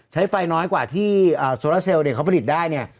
ใช้ไฟน้อยกว่าที่โซลาเซลเขาผลิตได้เนี่ย